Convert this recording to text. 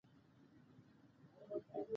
تر راتلونکي کاله به ډېرې ستونزې حل شوې وي.